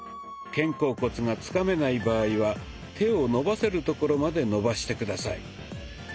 肩甲骨がつかめない場合は手を伸ばせるところまで伸ばして下さい。